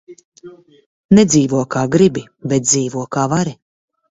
Nedzīvo, kā gribi, bet dzīvo, kā vari.